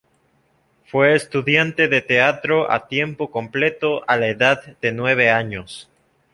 Fue estudiante de teatro a tiempo completo a la edad de nueve años.